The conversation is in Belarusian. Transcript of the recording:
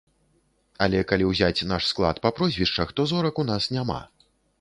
Але калі ўзяць наш склад па прозвішчах, то зорак у нас няма.